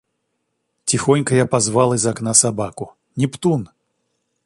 Тихонько я позвал из окна собаку: Нептун!